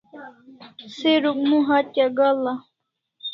Se Rukmu hatya ga'l'a